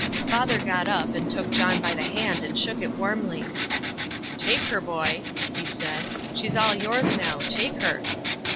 Father got up and took John by the hand and shook it warmly. "Take her, boy," he said. "She's all yours now, take her."